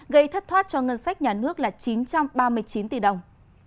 gây thất thoát cho ngân sách nhà nước là chín trăm ba mươi chín tỷ đồng